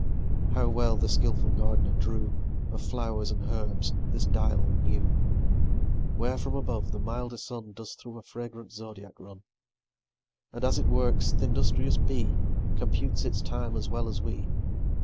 How well the skillful gard'ner drew Of flow'rs and herbs this dial new, Where from above the milder sun Does through a fragrant zodiac run; And as it works, th' industrious bee Computes its time as well as we.